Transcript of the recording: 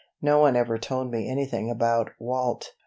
No one ever told me anything about Walt.